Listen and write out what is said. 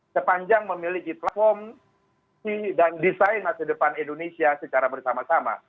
sepanjang memiliki platform dan desain masa depan indonesia secara bersama sama